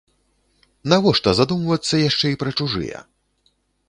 Навошта задумвацца яшчэ і пра чужыя?